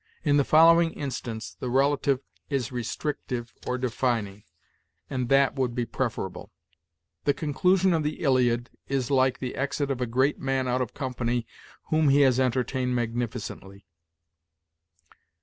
"In the following instance the relative is restrictive or defining, and 'that' would be preferable: 'the conclusion of the "Iliad" is like the exit of a great man out of company whom he has entertained magnificently.'